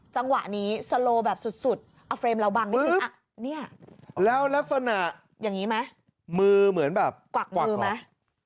จังหวะนี้สโลแบบสุดเอาเฟรมเราบังนิดนึงแล้วลักษณะอย่างนี้ไหมมือเหมือนแบบกวักมือไหม